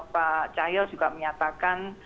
pak cahyo juga menyatakan